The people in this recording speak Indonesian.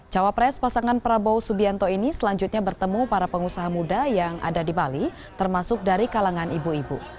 cawapres pasangan prabowo subianto ini selanjutnya bertemu para pengusaha muda yang ada di bali termasuk dari kalangan ibu ibu